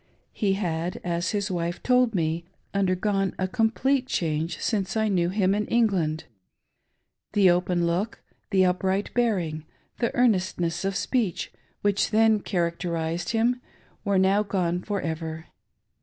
He had, as his wife told me, undergone a complete change since I knew him in England. — The open look, the upright bearing, the earnestness of speech, which then characterised him', were now gone for ever.